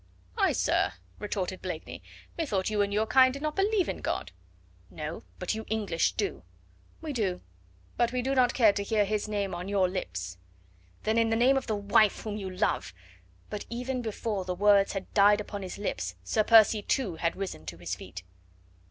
"Why, sir?" retorted Blakeney, "methought you and your kind did not believe in God." "No. But you English do." "We do. But we do not care to hear His name on your lips." "Then in the name of the wife whom you love " But even before the words had died upon his lips, Sir Percy, too, had risen to his feet.